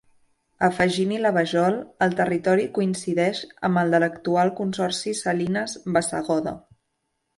Afegint-hi la Vajol, el territori coincideix amb el de l'actual Consorci Salines Bassegoda.